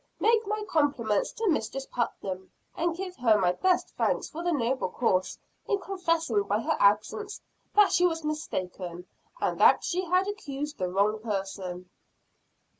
Make my compliments to Mistress Putnam; and give her my best thanks for her noble course, in confessing by her absence that she was mistaken, and that she had accused the wrong person."